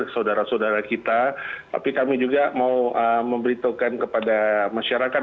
saudara saudara kita tapi kami juga mau memberitahukan kepada masyarakat